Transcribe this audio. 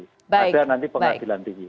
ada nanti pengadilan tinggi